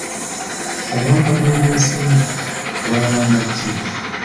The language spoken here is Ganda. Omwaka gw'ebyensimbi gwa bbanga ki?